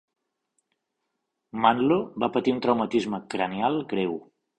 Mantlo va patir un traumatisme cranial greu.